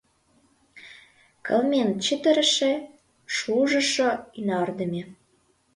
Кылмен чытырыше, шужышо, ӱнардыме.